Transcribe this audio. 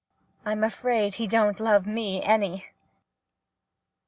I 'm afraid he don't love me any